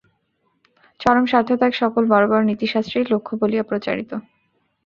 চরম স্বার্থত্যাগ সকল বড় বড় নীতিশাস্ত্রেই লক্ষ্য বলিয়া প্রচারিত।